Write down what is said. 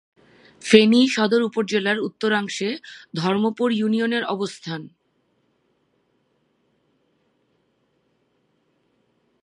ফেনী সদর উপজেলার উত্তরাংশে ধর্মপুর ইউনিয়নের অবস্থান।